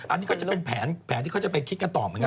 อันนี้ก็จะเป็นแผนที่เขาจะไปคิดกันต่อเหมือนกัน